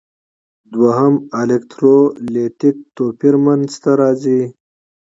دوهم د الکترولیتیک توپیر منځ ته راځي.